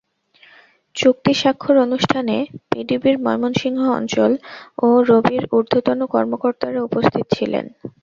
চুক্তি স্বাক্ষর অনুষ্ঠানে পিডিবির ময়মনসিংহ অঞ্চল ও রবির ঊর্ধ্বতন কর্মকর্তারা উপস্থিত ছিলেন।